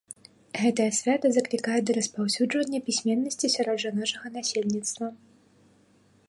Гэтае свята заклікае да распаўсюджвання пісьменнасці сярод жаночага насельніцтва.